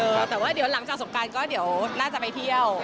แต่ว่าเดี๋ยวหลังจากสงการก็เดี๋ยวน่าจะไปเที่ยว